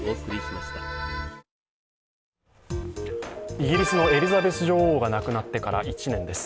イギリスのエリザベス女王が亡くなってから１年です。